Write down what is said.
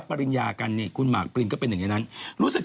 พี่หล่อมาก